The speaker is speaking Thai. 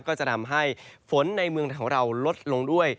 ก็จะทำให้ฝนในเมืองของเราลดลงด้วย